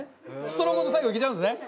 ストローごと最後いけちゃうんですね？